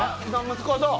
息子、どう。